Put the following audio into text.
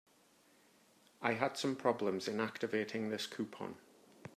I had some problems in activating this coupon.